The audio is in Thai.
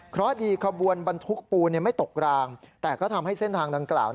เพราะดีขบวนบรรทุกปูนไม่ตกรางแต่ก็ทำให้เส้นทางดังกล่าว